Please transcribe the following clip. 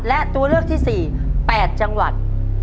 และตัวเลือกที่๔๘จังหวัด